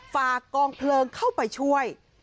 ฝากกองเพลิงเข้าไปช่วย